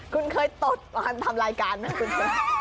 คุณเคยตดตามรายการมั้ยคุณ